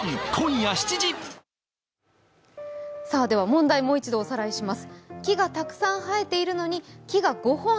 問題、もう一度おさらいします。